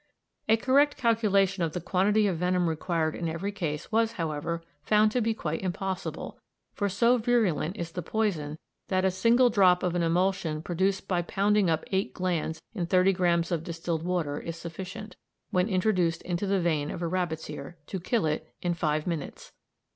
A correct calculation of the quantity of venom required in every case was, however, found to be quite impossible, for so virulent is the poison that a single drop of an emulsion produced by pounding up eight glands in 300 grammes of distilled water is sufficient, when introduced into the vein of a rabbit's ear, to kill it in five minutes.